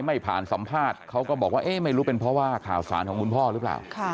ไม่ผ่านสัมภาษณ์เขาก็บอกว่าเอ๊ะไม่รู้เป็นเพราะว่าข่าวสารของคุณพ่อหรือเปล่า